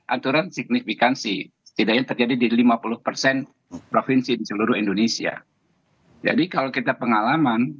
aturan signifikansi setidaknya terjadi di lima puluh persen provinsi di seluruh indonesia jadi kalau kita pengalaman